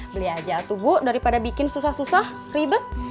beli aja tuh bu daripada bikin susah susah ribet